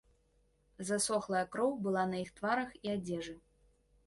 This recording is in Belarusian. Засохлая кроў была на іх тварах і адзежы.